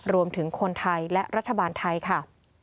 รวมถึงคนไทยและรัฐบาลไทยค่ะ